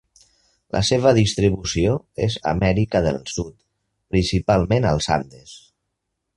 La seva distribució és a Amèrica del Sud, principalment als Andes.